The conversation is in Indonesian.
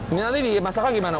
ini nanti dimasaknya gimana uni